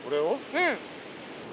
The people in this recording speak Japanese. うん。